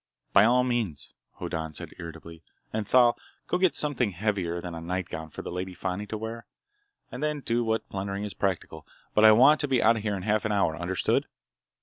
"By all means," Hoddan said irritably. "And Thal, go get something heavier than a nightgown for the Lady Fani to wear, and then do what plundering is practical. But I want to be out of here in half an hour. Understand?"